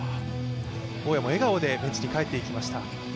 大宅も笑顔でベンチに帰っていきました。